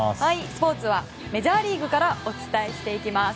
スポーツはメジャーリーグからお伝えしていきます。